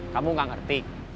kamu gak ngerti